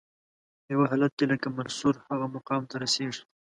په یو حالت کې لکه منصور هغه مقام ته رسیږي.